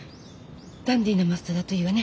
ダンディーなマスターだといいわね。